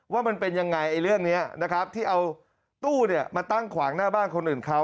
ว่ามันเป็นยังไงเรื่องนี้นะครับที่เอาตู้มาตั้งขวางหน้าบ้านคนอื่นเขา